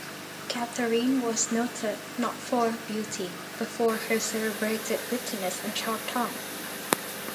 Catherine was noted not for beauty but for her celebrated wittiness and sharp tongue.